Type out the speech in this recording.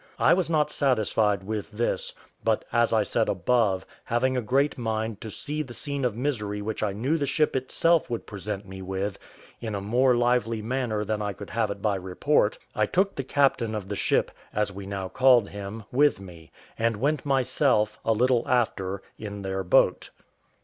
I was not satisfied with this; but, as I said above, having a great mind to see the scene of misery which I knew the ship itself would present me with, in a more lively manner than I could have it by report, I took the captain of the ship, as we now called him, with me, and went myself, a little after, in their boat.